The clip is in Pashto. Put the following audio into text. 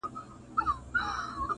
ما وعده د بل دیدار درنه غوښتلای-